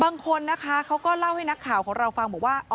บางคนนะคะเขาก็เล่าให้นักข่าวของเราฟังบอกว่า